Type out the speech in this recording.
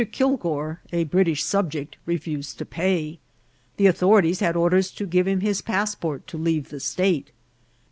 Kilgour, a British subject, refused to pay. The au thorities had orders to give him his passport to leave the state.